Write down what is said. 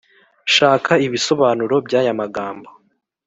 Shaka ibisobanuro by aya magambo